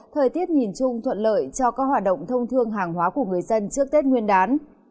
thời tiết nhìn chung thuận lợi cho các hoạt động thông thương hàng hóa của người dân trước tết nguyên đán